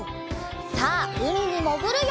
さあうみにもぐるよ！